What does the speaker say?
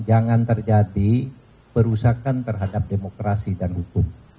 jangan terjadi perusakan terhadap demokrasi dan hukum